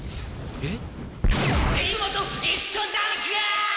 えっ？